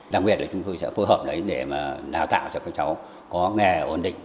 đặc biệt là chúng tôi sẽ phối hợp đấy để đào tạo cho các cháu có nghề ổn định